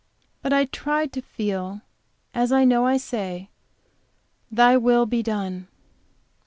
But I try to feel, as I know I say, Thy will be done!